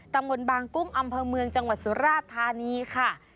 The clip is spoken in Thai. ตำบลบางกุ้งอำเภอเมืองจังหวัดสุราธานีค่ะ